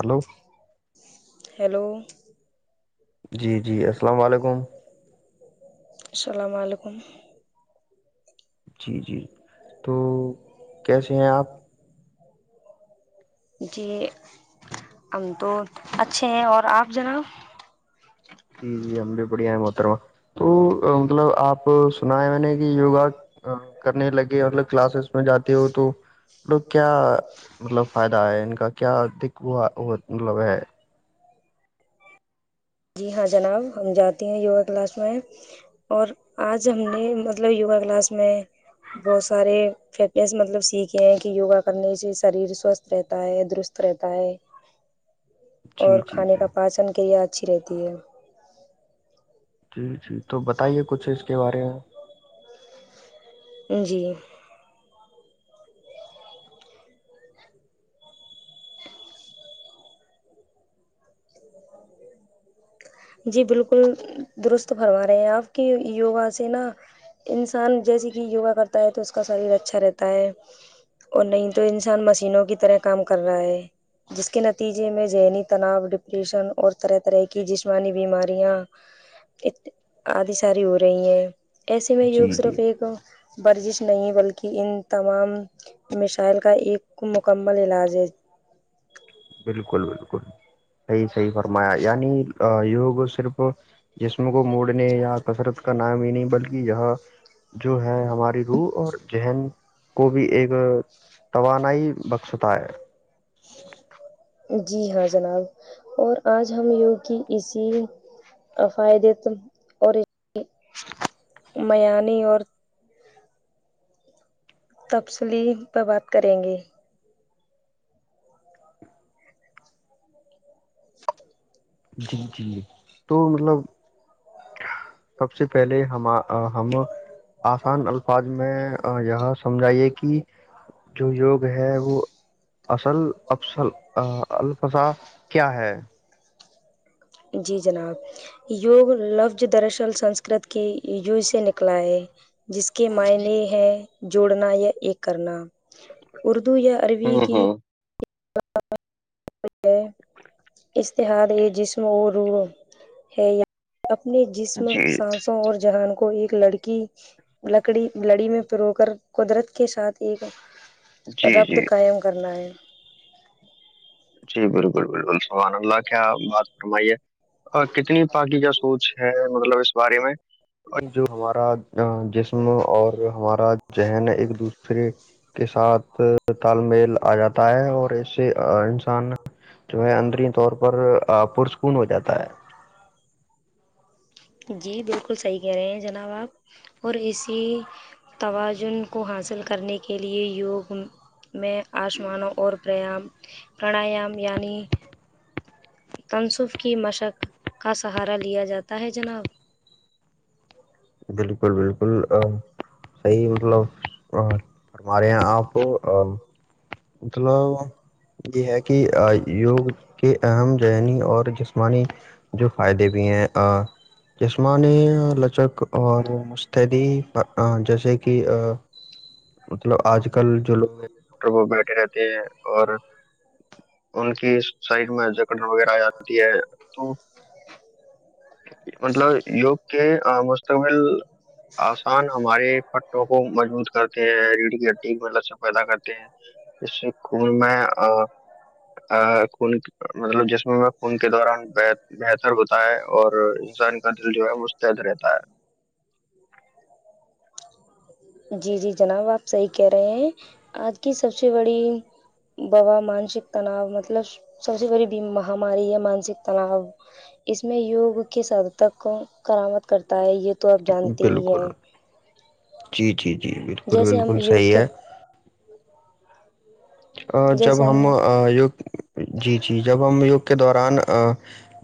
hello hello جی جی السلام علیکم السلام علیکم جی جی تو کیسے ہیں آپ جی ہم تو اچھے ہیں اور آپ جناب جی جی ہم بھی بڑیا ہیں م ار تو مطلب آپ سنا ہے میں نے کہ یوگا کرنے لگے مطلب کلاسز میں جاتے ہو تو مطلب کیا مطلب فائدہ ہے ان کا کیا د وہ وہ مطلب ہے جی ہاں جناب ہم جاتے ہیں یوگا کلاس میں اور آج ہم نے مطلب یوگا کلاس میں بہت سارے فس مطلب سیکھے ہیں کہ یوگا کرنے سے شریر سوستھ رہتا ہے درست رہتا ہے جی اور جی کھانے جی کا پاچن کیا چرےتیے جی جی تو بتائیے کچھ اس کے بارے میں جی جی بالکل درست فرما رہے ہیں آپ کی یوگا سے نا انسان جیسے کہ یوگا کرتا ہے تو اس کا شریر اچھا رہتا ہے اور نہیں تو انسان مشینوں کی طرح کام کر رہا ہے جس کے نتیجے میں ذہنی تناؤ ڈپریشن اور طرح طرح کی جس بیماریاں ا آدھی ساری ہو رہی ہیں ایسے میں یوگ جی صرف جی ایک ورزش نہیں بلکہ ان تمام مسائل کا ایک مکمل علاج ہے بالکل بالکلی صی برما یعنی یوگ صرف جسم کو موڑنے یا کثرت کا نام ہی نہیں بلکہ یہ جو ہے ہماری روح اور ذہن کو بھی ایک توانائی بخشتا ہے جی جی ہاں جناب اور آج ہم یوگ کی اسی افائدت اور معیانی اور تفصلی پہ بات کریں گے جی جی تو مطلب ہ سب سے پہلے ہم ہم آسان الفاظ میں یہ سمجھائیے کہ جو یوگ ہے وہ اصل افسل الفسا کیا ہے جی جناب یوگ لفظ دراصل سنسکرت کے یو سے نکلا ہے جس کے معائنی ہے جوڑنا یا ایک کرنا اردو یا عربی کی اشتحاد یہ جسم اور رو ہےیا اپنے جسم جی سانسوں اور جہان کو ایک لڑکی لکڑی لڑی میں پیرو کر قدرت کے ساتھ ایک ربد جی قائم کرنا ہے جی بالکل بالکل الن اللہ کیا بات فرمائیے کتنی پاکی کا سوچ ہے مطلب اس بارے میں جو ہمارا جسم اور ہمارا ذہن ایک دوسرے کے ساتھ تال میل آ جاتا ہے اور اسے جو ہے اندری طور پر پرسکون ہو جاتا ہے جی بالکل صحیح کہہ رہے ہیں جناب آپ اور اسی توازن کو حاصل کرنے کے لیئے یوگ میں آسمانوں اور پریام پرانایام یعنی تنصب کی مشق کا سہارا لیا جاتا ہے جناب بالکل بالکل صحیح مطلب فرما رہے ہیں آپ مطلب یہ ہے کہ یوگ کے اہم ذہنی اور جسمانی جو فائدے بھی ہیں یسمانی لچک اور مستعدی جیسے کہ مطلب آج کل جو لوگ ہیںٹر وہ بیٹھے رہتے ہیں اور ان کی شریر میں جکڑ وغیرہ آ جاتی ہے تو مطلب یگ کے مقبل آسان ہمارے پٹوں کو مضبوط کرتے ہیں ریڑ کی ا میں لسن پیدا کرتے ہیں اس سے خون میں خون مطلب جسم میں خون کے دوران بہتر ہوتا ہے اور انسان کا ل جو ہے مستد رہتا ہے جی جی جناب آپ صحی کہہ رہے ہیں آج کی سب سے بڑی با مانسک تناؤ مطلب سب سے بڑی مہاماری ہے مانسک تناؤ اس میں یوگ کے سد تک کرآامد کرتا ہے یہ تو آپ جانتے ہی بالکل ہیں جی جی جی جی بالکل جیسے ہم بالکل یوگ صحی کے ہے ا جب ہم یوگ جی جی جب ہم یوگ کے دوران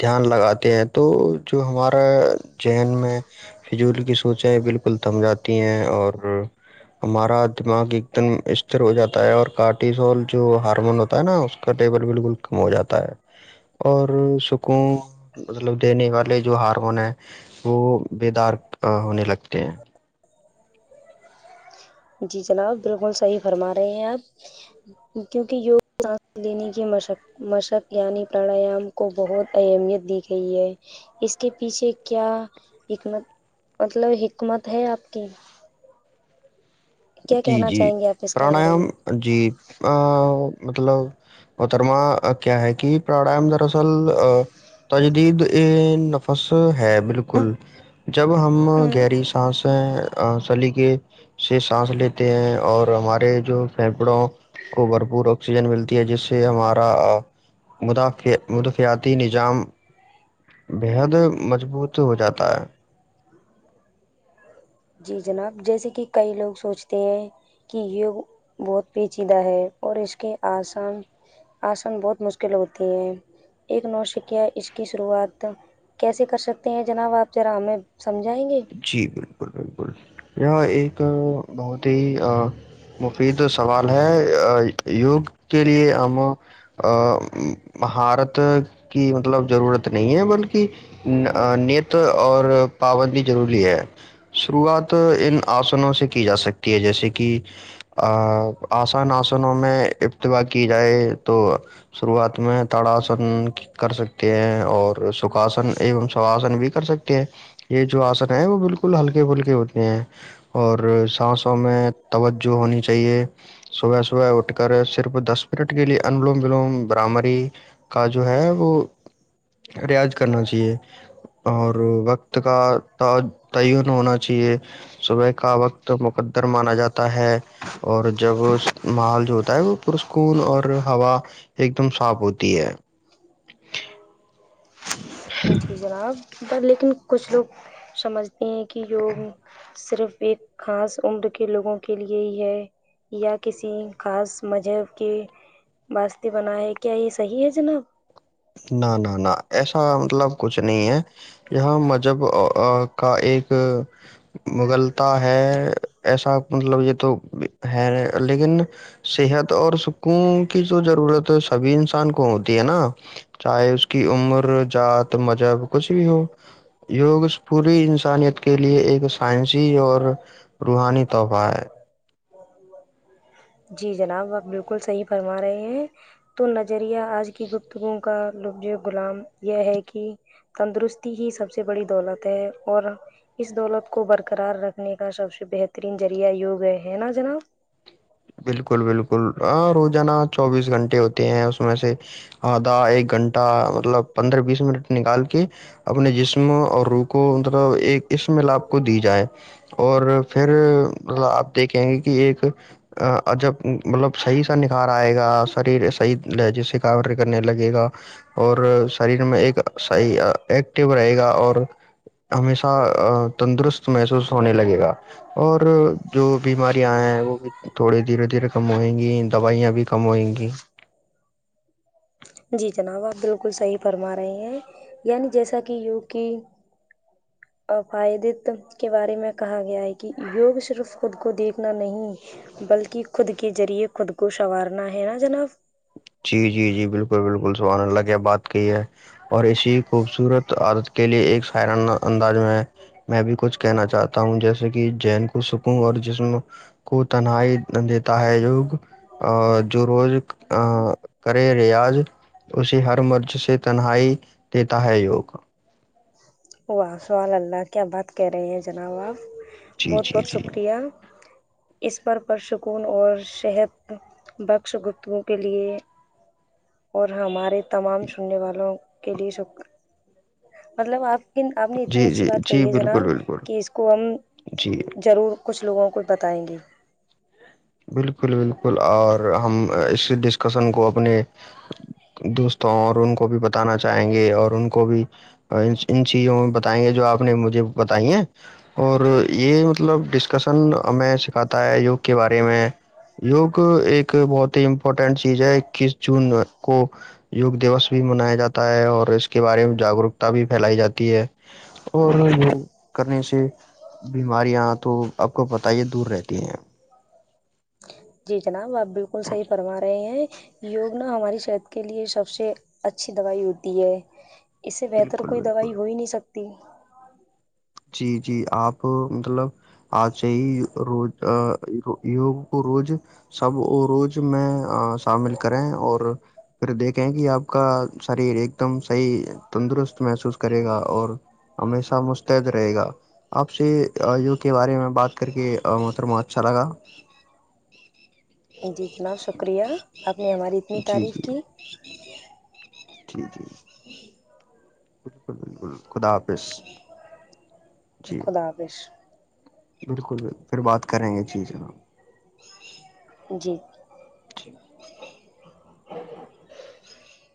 دھیان لگاتے ہیں تو جو ہمارا ذہن میں فضول کی سوچیں بالکل تھم جاتی ہیں اور ہمارا دماغ ایک دم استر ہو جاتا ہے اور کاٹ ہ ہوتا ہے ن اس ب ک ہو جاتا ہے اور سکوں مطلب دینے والے جو ہارمون ہیں وہ بیدار ہونے لگتا ا کیا جی جناب بالکل صحیح فرما رہے ہیں آپ کیونکہ یوگ سانس لینے کی مشق مشق یعنی پرانایام کو بہت اہمیت دی گئی ہے اس کے پیچھے کیا حکمت مطلب حکمت ہے آپ کی کیا جی کہنا جی چاہیں گے آپ اس کے بارے پرانیام میں جی ا مطلب اترما کیا ہے کہ پرڑام تجدید ا نفس ہے بالکل جب ہم گہری سانسیں سلی ش سانس لیتے ہیں اور ہمارے جو پھیپڑوں کو بھرپور آکسیجن ملتی ہے جس سے ہماراداف مدافیاتی نظام بےحد مضبوط ہو جاتا ہے جی جناب جیسے کہ کئی لوگ سوچتے ہیں کہ یوگ بہت پیچیدہ ہے اور اس کے آسن آسن بہت مشکل ہوتے ہیں ایک نوٹ شکیا اس کی شروعات کیسے کر سکتے ہیں جناب آپ ذرا ہمیں سمجھائیں گے بک بالکل یہ ایک بہت ہی مفید سوال ہے یوگ کے لیے ہم مہارت کی مطلب ضرورت نہیں ہے بلکہ نت اور پابندی ہے شروعات ان آسنوں سے کی جا سکتی ہے جیسے کہ آ آسان آسنوں میں ابتبا کی جائے تو شروعات میں تڑاسن کر سکتے ہیں اور سکاسن ایوم سواسن بھی کر سکتے ہیں یہ جو آسن ہیں وہ بالکل ہلکے پھلکے ہوتے ہیں اور سانسوں میں توجہ ہونی چاہیے صبح صبح اٹھ کر صرف دس منٹ کے لیے انلوم ولوم برامری کا جو ہے وہ ریاض کرنا چاہیے اور وقت کا تعین ہونا چاہیے صبح کا وقت مقدر مانا جاتا ہے اور جب محول جو ہوتا ہے وہ پرسکون اور ہوا ایک دم صاف ہوتی ہے ان کی جناب پر لیکن کچھ لوگ سمجھتے ہیں کہ یوگ صرف ایک خاص عمر کے لوگوں کے لیے ہی ہے یا کسی خاص مذہب کے واسط بنا ہے کیا یہ صحیح ہے جناب نہ نہ نہ ایسا مطلب کچھ نہیں ہے یہاں مذہب کا ایک مغلتا ہے ایسا مطلب یہ تو ہے لیکن صحت اور سکوں کی جو ضرورت سبھی انسان کو ہوتی ہے نا چاہے اس کی عمر ذات مذہب کچھ بھی ہو یوگ پوری انسانیت کے لیے ایک سائنسی اور روحانی تحفہ ہے برابر جی جناب آپ بالکل صحیح فرما رہے ہیں تو نظریہ آج کی گفتگو کا لبظ غلام یہ ہے کہ تندرستی ہی سب سے بڑی دولت ہے اور اس دولت کو برقرار رکھنے کا سب سے بہترین ذریعہ یوگئے ہے نا جناب بالکل بالکل ہ روزانہ چوبیس گھنٹے ہوتے ہیں اس میں سے آدھا ایک گھنٹہ مطلب پندرہ بیس منٹ نکال کے اپنے جسم اور روح کو مطلب ایک اس م لپ کو دی جائے اور پھر آپ دیکھیں گے کہ ایک جب مطلب صحیح سا نکھار آئے گا سری صح جی سے کا ل گا اور شریر میں ایکح ایکٹو رہے گا اور ہمیشہ تندرست محسوس ہونے لگے گا اور جو بیمارں آئے ہیں وہ بھی تھوڑے دھیرے دھیرے کم ہوئیں گی دوائیاں بھی کم ہوئیں گی جی جناب آپ بالکل صحیح فرما رہے ہیں یعنی جیسا کہ یوگ کی اپائدت کے بارے میں کہا گیا ہے کہ یوگ صرف خود کو دیکھنا نہیں بلکہ خود کے ذریعے خود کو سنوارنا ہے نا جناب جی جی جی بالکل بالکل سوان لگے بات کی ہے اور اسی خوبصورت عادت کے لیے ایک سائران انداز میں میں بھی کچھ کہنا چاہتا ہوں جیسے کہ جین کو سکوں اور جسم کو تنہائی دیتا ہے جو جو روز کرے ریاض اسے ہر مرض سے تنہائی دیتا ہے یوگ واہ سوال اللہ کیا بات کرہ رہے ہیں جناب آپ جی بہت جی بہت جی شکریہ اس پر پرسکون اور شہد بخش گپتگو کے لیے اور ہمارے تمام سننے والوں کے لیے شکر مطلب آپ لیکن آپ نے جی اتنی اچھی جی بات جی کہی ہے بالکل جناب بالکل کہ اس کو ہم جی ضرور کچھ لوگوں کو بتائیں گے بالکل بالکل اور ہم اس ڈسکشن کو اپنے دوستوں اور ان کو بھی بتانا چاہیں گے اور ان کو بھی ان چیزوں میں بتائیں گے جو آپ نے مجھے بتائی ہیں اور یہ مطلب ڈسکشن ہمیں سکھاتا ہے یوگ کے بارے میں یوگ ایک بہت ہی امپورٹنٹ چیز ہے اکیس جون کو یگ دوس بھی منایا جاتا ہے اور اس کے بارے میں جاگروکتا بھی پھیلائی جاتی ہے اور یہ کرنے سے بیماریاں تو آپ کو پت ہی ہے دور رہتی ہیں جی جناب آپ بالکل صحیح فرما رہے ہیں یوگنا ہماری صحت کے لیے سب سے اچھی دوائی ہوتی ہے اس سے بہتر بالکل کوئی بالکل دوائی ہو ہی نہیں سکتی تین جی جی آپ مطلب آج یہی روز ا یوگ کو روز سب روز میں شامل کریں اور پھر دیکھیں کہ آپ کا شریر ایک دم صحیح تندرست محسوس کرے گا اور ہمیشہ ید رہے گا آپ سے یوگ کے بارے میں بات کر کے محترمہ اچھا لگا جی جناب شکریہ آپ نے ہماری اتنی جی تعریف جی کی ٹھیک ہے بالکل بالکل خدا حافظ جی خودا حفس بالکل بکل پھر بات کریں گے چیز ہم جی [inaudible] [inaudible]